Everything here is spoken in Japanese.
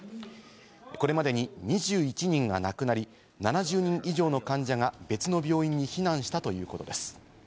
これまでに２１人が亡くなり、７０人以上の患者が別の病院に避難したということです。